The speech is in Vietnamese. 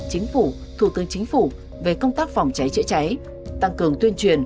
chính phủ thủ tướng chính phủ về công tác phòng cháy chữa cháy tăng cường tuyên truyền